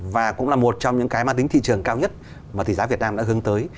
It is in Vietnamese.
và cũng là một trong những cái mang tính thị trường cao nhất mà tỷ giá việt nam đã hướng tới